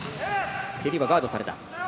蹴りはガードされた。